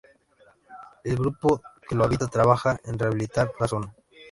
El grupo que lo habita trabaja en rehabilitar la zona.